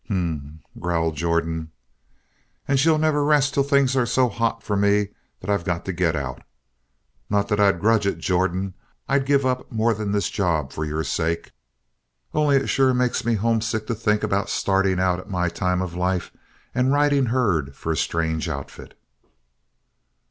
"H m m," growled Jordan. "And she'll never rest till things are so hot for me that I got to get out. Not that I grudge it, Jordan. I'd give up more than this job for your sake. Only it sure makes me homesick to think about starting out at my time of life and riding herd for a strange outfit."